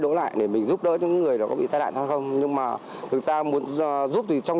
đổ lại để mình giúp đỡ cho những người đó có bị tai nạn không nhưng mà người ta muốn giúp thì trong